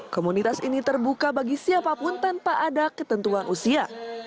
komunitas ini terbuka bagi siapapun tanpa ada ketentuan usia